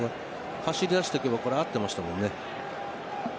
走り出していけば合っていました。